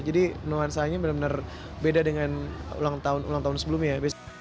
jadi nuansanya benar benar beda dengan ulang tahun ulang tahun sebelumnya